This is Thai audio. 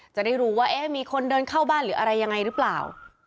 จะได้รู้ว่ามีคนเดินเข้าบ้านหรืออะไรยังไงหรือเปล่า